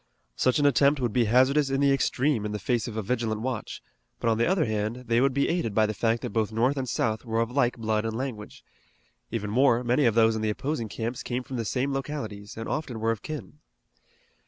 Such an attempt would be hazardous in the extreme in the face of a vigilant watch; but on the other hand they would be aided by the fact that both North and South were of like blood and language. Even more, many of those in the opposing camps came from the same localities, and often were of kin.